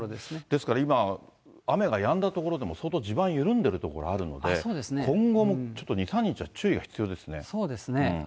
ですから今は、雨がやんだ所でも、相当地盤緩んでいる所あるので、今後もちょっそうですね。